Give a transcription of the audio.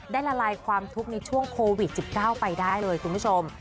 ละลายความทุกข์ในช่วงโควิด๑๙ไปได้เลยคุณผู้ชม